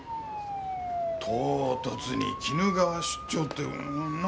唐突に鬼怒川出張ってなんのために。